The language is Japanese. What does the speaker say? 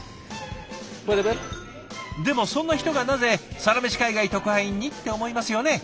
でもそんな人がなぜサラメシ海外特派員に？って思いますよね。